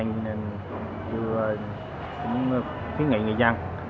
nên tôi muốn khuyến nghị người dân